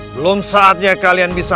belum saatnya kalian bisa